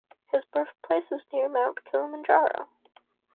His birthplace was near Mount Kilimanjaro.